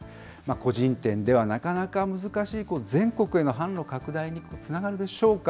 個人店ではなかなか難しい全国への販路拡大につながるでしょうか。